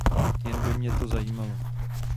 Jen by mě to zajímalo.